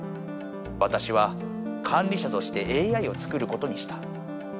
わたしは管理者としてＡＩを作ることにした。